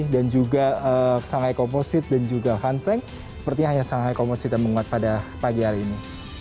dan juga shanghai komposit dan juga hanseng sepertinya hanya shanghai komposit yang menguat pada pagi hari ini